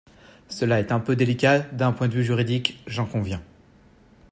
Cela est un peu délicat d’un point de vue juridique, j’en conviens.